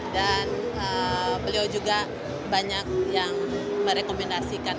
beliau juga banyak yang merekomendasikan